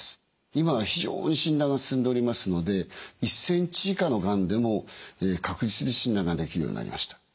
今は非常に診断が進んでおりますので１センチ以下のがんでも確実に診断ができるようになりました。